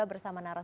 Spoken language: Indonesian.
terima kasih pak